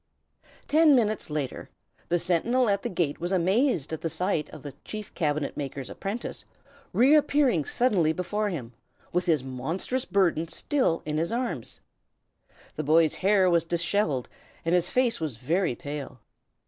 Ten minutes later, the sentinel at the gate was amazed at the sight of the Chief Cabinet maker's apprentice, reappearing suddenly before him, with his monstrous burden still in his arms. The boy's hair was dishevelled, and his face was very pale.